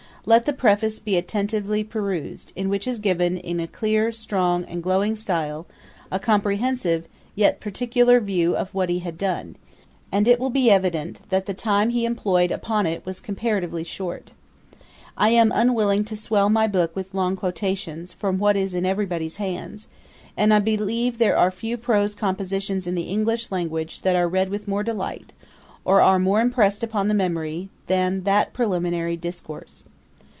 Let the Preface be attentively perused, in which is given, in a clear, strong, and glowing style, a comprehensive, yet particular view of what he had done; and it will be evident, that the time he employed upon it was comparatively short. I am unwilling to swell my book with long quotations from what is in every body's hands, and I believe there are few prose compositions in the English language that are read with more delight, or are more impressed upon the memory, than that preliminary discourse.